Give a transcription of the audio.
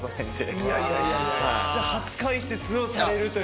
じゃあ初解説をされると。